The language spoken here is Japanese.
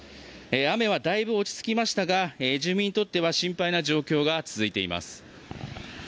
雨はだいぶ落ち着きましたが住民にとっては心配な状況が続いています。